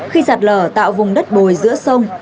khi sạt lở tạo vùng đất bồi giữa sông